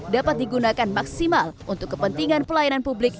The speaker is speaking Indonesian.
dapat digunakan maksimal untuk kepentingan pelayanan publik